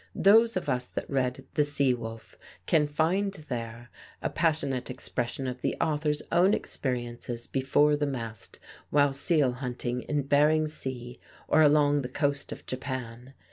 Those of us that read the "Sea Wolf" can find there a passionate expression of the author's own experiences before the mast while seal hunting in Behring Sea or along the coast of Japan.